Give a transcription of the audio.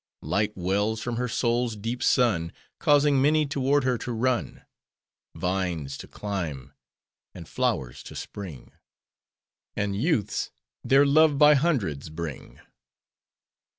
Light wells from her soul's deep sun Causing many toward her to run! Vines to climb, and flowers to spring; And youths their love by hundreds bring!